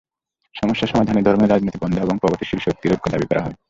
সমস্যা সমাধানে ধর্মের রাজনীতি বন্ধ এবং প্রগতিশীল শক্তির ঐক্য দাবি করা হয়।